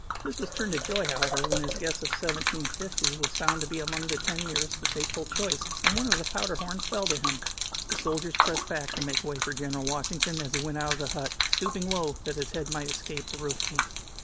This was turned to joy, however, when his guess of "1750" was found to be among the ten nearest the fateful choice, and one of the powder horns fell to him. The soldiers pressed back to make way for General Washington as he went out of the hut, stooping low that his head might escape the roof beams.